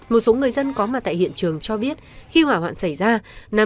một số người dân có mặt tại hiện trường cho biết khi hỏa hoạn xảy ra